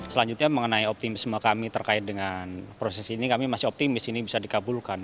selanjutnya mengenai optimisme kami terkait dengan proses ini kami masih optimis ini bisa dikabulkan